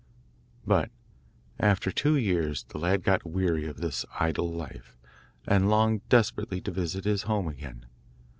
But, after two years, the lad got weary of this idle life, and longed desperately to visit his home again.